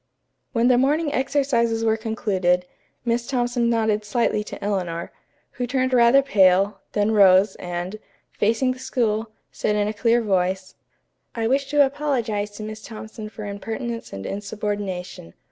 When the morning exercises were concluded, Miss Thompson nodded slightly to Eleanor, who turned rather pale, then rose, and, facing the school, said in a clear voice: "I wish to apologize to Miss Thompson for impertinence and insubordination.